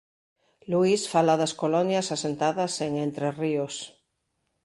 Luís fala das colonias asentadas en Entre Ríos.